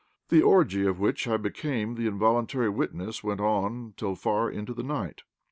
The orgy of which I became the involuntary witness went on till far into the night.